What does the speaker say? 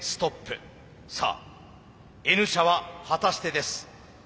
さあＮ社は果たしてです。